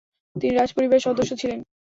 তিনি রাজপরিবারের সদস্য ছিলেন।